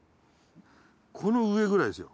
この上くらいですよ。